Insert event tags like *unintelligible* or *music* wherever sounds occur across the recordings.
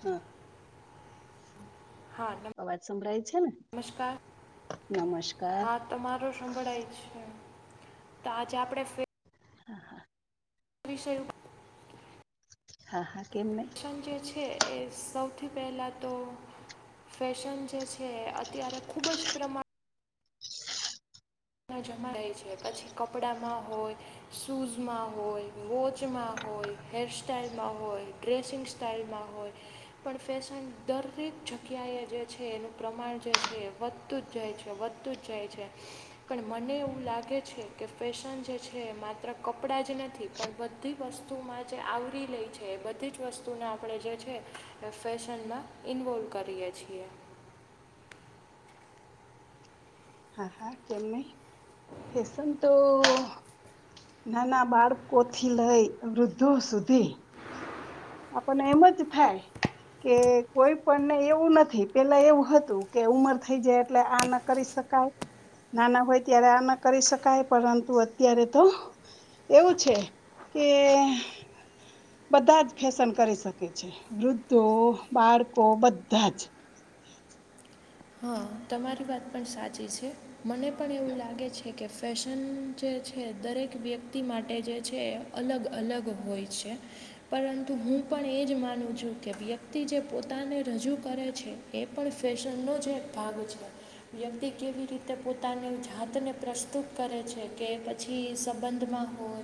હા હા અવાજ સંભળાય છે ને. નમસ્કાર નમસ્કાર હા તમારો સંભળાય છે તો આજે આપડે ફે હા હા. વિષય હા હા. કેમ નહી ફેશન જે છે એ સૌથી પહેલાં તો ફેશન જે છે અત્યારે ખુબ જ પ્રમાણે જમા થાય છે પછી કપડામાં હોય, શૂઝમાં હોય, વોચમાં હોય. હોય, હેર સાઈલમાં હોય, ડ્રેસિંગ સ્ટાાઈલમાં હોય પણ ફેશન દરેક જગ્યાએ જે છે એનું પ્રમાણ જે છે એ વધતું જ જાય છે, વધતું જ જાય છે. પણ મને એવું લાગે છે કે ફેશન જે છે, માત્ર કપડાં જ નથી પણ બધી વસ્તુ વસ્તુમાં જે આવરી લે છે એ બધી જ વસ્તુને આપણે જે છે એ ફેશનમાં ઇન્વોલ્વ કરીએ છીએ. હા હા કેમ નય ફસન તો નાના બાળકો થી લઈ વૃદ્ધો સુધી આપણ ને એમ જ થાય કે કોઈ પણને એવું નથી પેલા એવું હતું કે ઉમર થઈ જાય એટલે આ ના કરી શ શકાય. નાના હોય ત્યારે આ ના કરી શકાય પરંતુ અત્યારે તો એવું છે. કે બધા જ ફેશન કરી શકે છે. વૃદ્ધો, બાળકો બધા જ હા તમારી વાત પણ સાચી છે, મને પણ એવું લાગે છે કે ફેશન જે દરેક વ્યક્તિ માટે જે છે અલગ અલગ હોય છે, પરંતુ હું હું પણ એ જ માનું છું કે વ્યક્તિ જે પોતાને રજૂ કરે છે, એ પણ ફેશનનો જ જે ભાગ છે, વ્યક્તિ કેવી રીતે પોતાની જાતને પ્રસ્તુત કરે છે કે પછી સંબંધમાં હોય,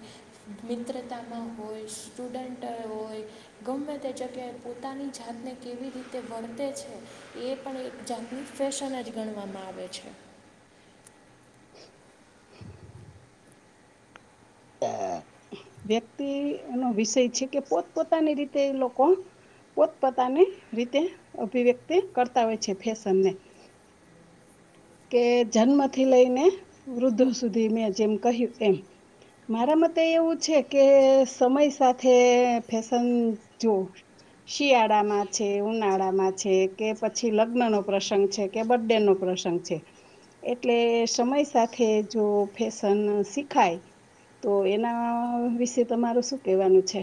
મિત્રતામાં હોય સ્ટુડન્ટ હોય. ગમે તે જગ્યાએ પોતાની જાતને કેવી રીતે વર્તે છે, એ પણ એક જા ફેશન જ ગણવામાં આવે છે. વ્યક્તિ નો વિષય છે કે પોત પોતાની રીતે એ લોકો પોતપોતાની રીતે અભિવ્યક્તિ કરતા હોય છે ફેશનને. હમ. કે જન્મથી લઈને વૃદ્ધો સુધી મેં જેમ કહ્યું એમ. મારા મતે એવું છે કે સમય સાથે ફેશન જોવું. શિયાળામાં છે ઉનાળામાં છે કે પછી લગ્ન નો પ્રસંગ છે કે બર્થડે નો પ્રસંગ છે. છે, એટલે સમય સાથે જો ફેશન શીખાય. તો એના વિશે તમારું શું કેહેવાનું છે?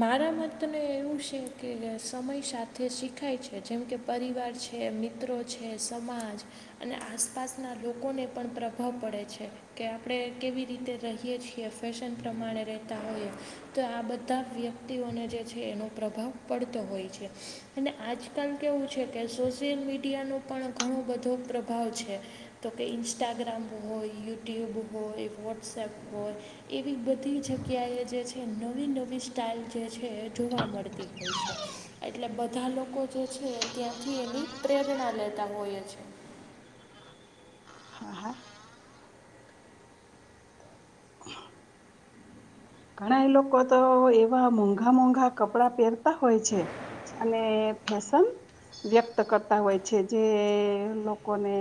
મારા મતને એવું છે કે સમય સાથે શીખાય છે જેમ કે પરિવાર છે. છે મિત્રો છે સમાજ, અને આસપાસના લોકોને પણ પ્રભાવ પડે છે. કે આપણે કેવી રીતે રહીએ છીએ ફેશન પ્રમાણે રહેતા હોઈએ, તો આ બધા બધા વ્યક્તિઓને જે છે એનો પ્રભાવ પડતો હોય છે, અને આજકાલ કેવું છે કે સોશિયલ મીડિયાનો પણ ઘણો બધો પ્રભાવ છે, તો કે ઇન્સ્ટાગ્રામ હોય. યુટ્યુબ હોય વોટ્સએપ હોય, એવી બધી જગ્યાએ જે છે નવી નવી ની સ્ટાઇલ જે છે જોવા મળતી હોય છે, એટલે બધા લોકો જે છે ત્યાંથી એની પ્રેરણા લેતા હોય છે. હા હા ઘણા એ લોકો તો એવા મોંઘા મોંઘા કપડા પહેરતા હોય છે. અને ફેસન વ્યક્ત કરતા હોય છે જે લોકોને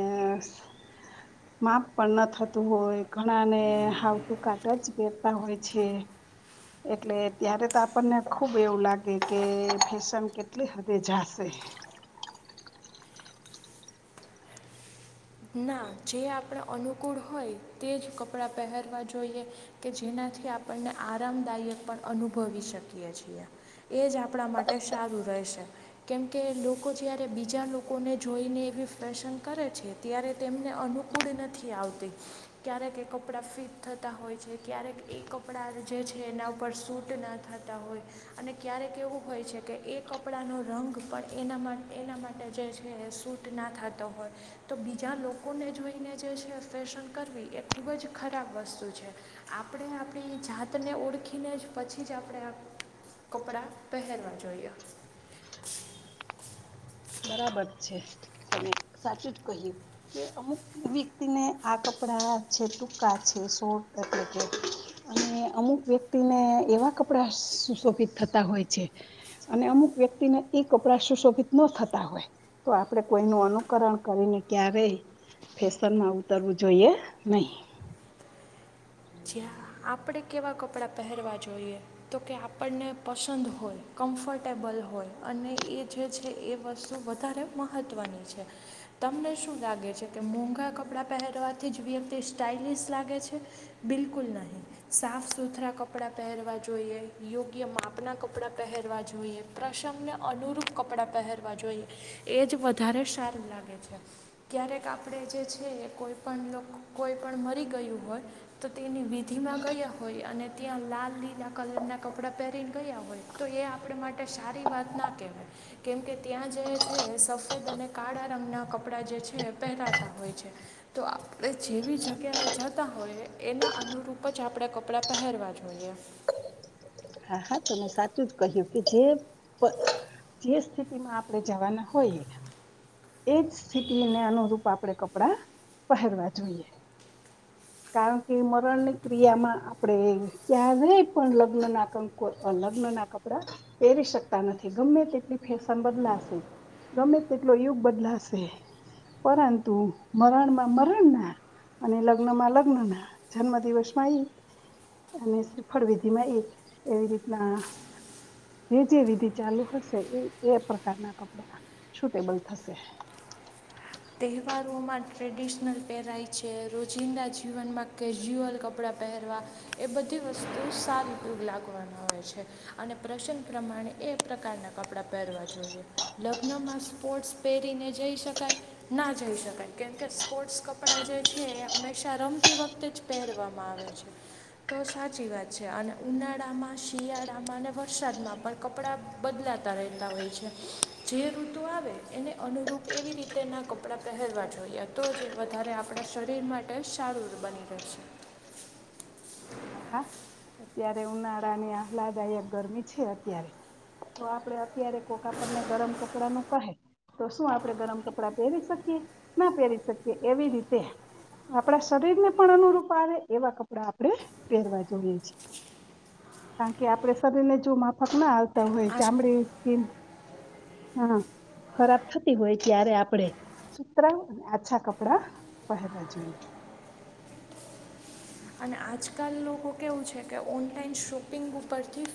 માપ પણ ન થતું હોય ઘણા ને હાવ ટૂંકા ટચ કરહેરતા હોય છે. એટલે ત્યારે તો આપણને ખુબ એવું લાગે કે ફેશન કેટલી હદે જાશે. *inaudible* ના જે આપણે અનુકૂળ હોય તે જ કપડાં પહેરવા જોઈએ, કે જેના થી આપને આરામદાયક પણ અનુભવી શકી છીએ, એજ આપણા માટે સારું. ફેશન કેમકે લોકો જ્યારે બીજા લોકોને જોઈને એવી ફેશન કરે છે. ત્યારે તેમને અનુકૂળ નથી આવતી, ક્યારેક એ કપડાં ફિટ થતા હોય છે ક્યારેક એ કપડાં જે છે એના ઉપર સૂટ ના થતા હોય, અને ક્યારેક એવું હોય છે કે એ એ કપડાંનો રંગ પણ એના એના માટે જે છે સૂટ ના થતો હોય. તો બીજા લોકોને જોઈને જે છે ફેશન કરવી એ ખૂબ જ ખરાબ વસ્તુ છે, આ આપણે આપણી જાતને ઓળખીને જ પછી જ આપણે કપડાં પહેરવા જોઈએ. બરાબર છે, અને સાચું જ કહ્યું, કે અમુક વ્યક્તિને આ કપડા ટ છે ટૂંકા એટલે કે અને અમુક વ્યક્તિને એવા કપડા ક સુશોભિત થતા હોય છે, અને અમુક વ્યક્તિને એ કપડા સુશોભિત ન થતા. હોય તો આપણે કોઈ ન અનુકરણ કરીને ક્યારે ફેશન માં ઉતરવું જોઈએ નહી. જ્યા આપણે કેવા કપડાં પહેરવા જોઈએ, તો કે આપણને પસંદ હોય. કમ્ફર્ટેબલ હોય અને એ જે છે એ વસ્તુ વધારે મહત્ત્વની છે. તમને શું લાગે છે કે મોંઘા કપડાં પહેરવાથી જ વ્યક્તિ સ્ટાઈલિશ લાગે છે? બિલકુલ નહીં, સાફ સુથરા કપડાં પહેરવા જોઈએ યોગ્ય માપના કપડાં પહેર પર જોઈએ પ્રસંગને અનુરૂપ કપડાં પહેરવા જોઈએ, એ જ વધારે સારું લાગે. ક્યારેક આપણે જે છે એ કોઈ પણ કોઈ પણ મરી ગયું હોય. તો તેની વિધિમાં ગયા હોય અને ત્યાં લાલ લીલા કલરના કપડાં પહેરીને ગયા હોય તો એ આપણે માટે સારી વાત ના કહેવાય કેમ કે ત્યાં જે છે સફેદ અને કાળા રંગના ના કપડાં જે છે એ પહેરાતા હોય છે તો આપણે જેવી જગ્યાએ જતા હોયએ એના અનુરૂપ જ આપણે કપડાં પહેરવા જોઈએ હા હા તો મેં સાચું જ કહ્યું કે જે જે સ્થિતિમાં આપણેે જવાના હોઈએ એજ સ્થિતિને અનુરૂપ આપણેે કપડાં પહેરવા જોઈએ *inaudible* કારણ કે મરણ ની ક્રિયા માં આપણેે ક્યા્યારે નય પણ લગ્ન ના કંકો અલગ્ન પરી શકતા નથી ગમે તેટલી ફેશન બદલાશે ગમે તેટલો યુગ બદલાશે પરંતુ મરણમાં મરણ ના અને લગ્ન માં લગ્ન ના જન્મ દિવસ માં એઈ અને શ્રીફળ વિધિ માં એ એવી રીતના જે જે વિધિ ચાલુ હશે એ એ પ્રકારના કપડા સુૂટેબલ થશે તહેવારોમાં ટ્રેડિશનલ પહેરાય છે રોજિંદા જીવનમાં કેઝ્યુઅલ કપડાં પહેરવા એ બધી વસ્તુ સારી ઉપયોગ લાગવાના હોય છે અને પ્રસન પ્રમાણે એ પ્રકારનાં કપડાં પહેરવા જોઈએ લગ્નમાં સ્પોર્ટ્સ પહેરીને જઈ શકાય ના જઈ શકાય કેમ કે સ્પોર્ટ્સ કપડાં જે છે એ હંમેશા રમતી વખતે જ પહેરવામાં આવે હ છે તો સાચી વાત છે અને ઉનાળામાં શિયાળામાં અને વરસાદમાં પણ કપડાં બદલા હોય છે જે ઋતુ આવે એને અનુરૂપ એવી રીતે ના ક આપણા પહેરવા જોઈએ તો જે વધારે આપણા શરીર માટે સારું બની રહેશે *inaudible* હા હા અત્યારે ઉનાળાની આહલાદાયક ગરમી છે અત્યારે તો આપડે અત્યારે કોક આપણને ગરમ કપડા નું કહે તો શું આપડે ગરમ કપડા પહેરી શકીએ ના પહેરી શકીએ એવી રીતે આપણા શરીર ને પણ અનુરૂપ આવે એવા કપડા આપણે પહેરવા જોઈએ છે કારણ કે આપડે શરીર ને જો માફક ના આવતા હોય ચામડીે હ હા ખરાબ થતી હોય ત્યારે આપણે સુતરા આછા કપડા પહેરવા જોઈએ *inaudible* અને આજકાલ લોકો કેવું છે કે ઓનલાઈન શોપિંગ ઉપરથી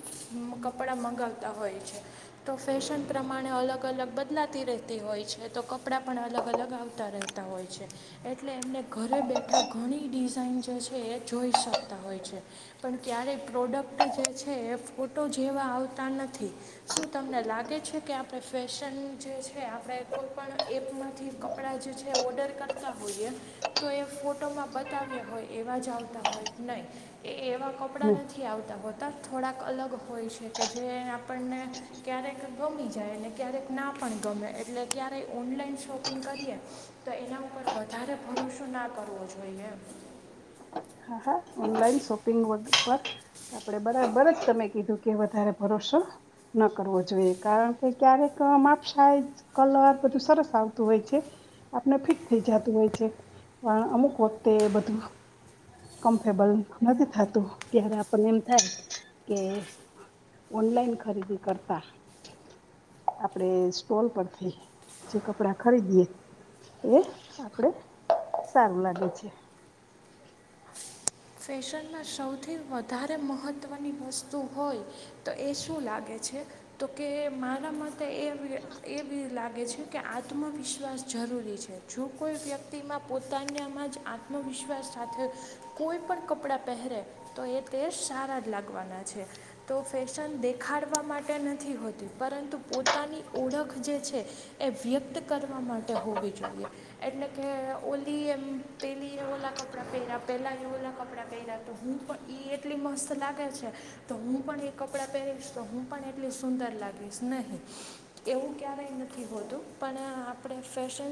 કપડાં મગ તા હોય છે તો ફેશન પ્રમાણે અલગ અલગ બદલાતી રહેતી હોય છે તો કપડાં પણ અલગ અલગ આવતા રહેતા હોય છે એટલે એમને ઘરે બેઠા ઘણી ડિઝાઇન જે છે એ જોઈ શકતા હોય છે પણ ક્યારેય પ્રોડક્ટ જે છે એ ફોટો જેવા આવતા નથી શું તમને લાગે છે કે આપણે ફેશન જે છે આપણે કોઈ પણ એ માંથી કપડાં જે છે ઓર્ડર કરતા હોઈએ તો એ ફોટોમાં બતાવ્યા હોય એવા જ આવતા હોય નહીં એ એવા નહી કપડાં નથી આવતા હોત તફ થોડાક અલગ હોય છે કે જે આપણને ક્યારેક ગમી જાય ને ક્યારેક ના પણ ગમે એટલે ક્યારેય ઓનલાઈન શોપિંગ કરીએ તો એના ઉપર વધારે ભરોસો ના કરો આપ રોશોઈ ગ આપ બરાબર જ તમે કીધું કે વધારે ભરોસો ન કરવો જોઈએ કારણ ક્યારેક માપશ કલર બધું સરસ આવતું હોય છે આપને ફિટ થઈ જતું હો હોય છે પણ અમુક વખતે એ બધું કમ્ફર્બલ નથી થતું ત્યારે આપને એમ થાય કે ઓનલાઈન ખરીદી કરતા આપડે સ્ટોલ પરથીઈ જે કપડા ખરીદીએ એ આપડે સારું લાગે છે ફેશનમાં સૌથી વધારે મહત્ત્વની વસ્તુ હોય તો એ શું લાગે છે. તો કે મારા માટે એ એ બી લાગે છે. કે આત્મવિશ્વાસ જરૂરી છે. જો કોઈ વ્યક્તિમાં પોતાનામાં જ આત્મવિશ્વાસ. સાથેય. કોઈ પણકપડાં પહેરે તો એ તે સારા જ લાગવાના છે. તો ફેશન દેખાય પાડવા માટે નથી હોતી પરંતુ પોતાની ઓળખ જે છે. એ વ્યક્ત કરવા માટે માટે હોવી જોઈએ એટલે કે ઓલી એમ પેલી એ ઓલા કપડાં પહેર્યા પહેલા. એવલા કપડા *unintelligible* પહેયા તો હું પણ એ એટલી મસ્ત લાગે છે. તો હું પણ એ કપડાં પહેરીશ તો હું પણ, એટું સુંદર લાગીશ નહીં એવું ક્યારેય નથી હોતું પણ આપણે ફેશન.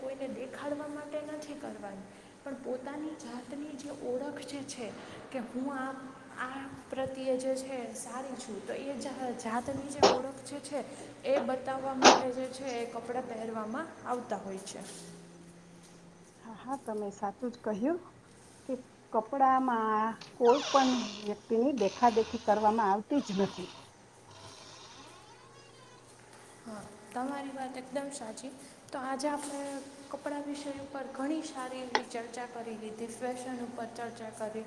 કોઈને દેખાડવા માટે નથી કરવાની પણ પોતાની જાતની એ ઓળખ જે છે. કે હું આ આ પ્રત્યે જે છે. સારી છું. તો એ એ જા જાતની જે ઓળખ જે છે. એ બતાવવા માટે જે છે. એ કપડાં પહેરવામાં આવતા હોય છે. હા હા તમે સાચું જ કહ્યું. કે કપડામાં કોઈ પણ વ્યક્તિની દેખા દેખી કરવામાં આવતી જ નથી. સુી *unintelligible* *inaudible* હા તમારી વાત એકદમ સાચી તો આજે આપણે કપડા વિષય ઉપર ઘણી સારી એવી ચર્ચા કરી લીધી ફેશન ઉપર ચર્ચા કરી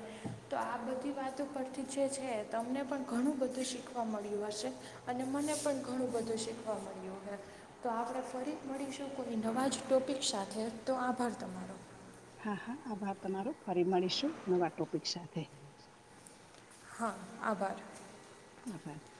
તો આ બધી વાતો પર થી જે છે. તમને પણ ઘણું બધું શીખવા મળ્યું હશે અને મને પણ ઘણું બધું શીખવા મળ્યું. હ મળું *unintelligible* તો આપણે ફરી મળીશું કોઈ નવા જ ટોપિક સાથે તો આભાર તમારો હા હા આભાર તમારો ફરી મળીશું નવા ટોપિક સાથે હા આભાર હ સર *unintelligible*